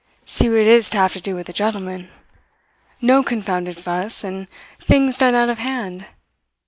See what it is to have to do with a gentleman. No confounded fuss, and things done out of hand.